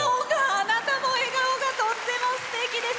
あなたの笑顔がとってもすてきです！